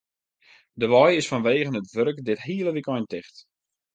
De wei is fanwegen it wurk dit hiele wykein ticht.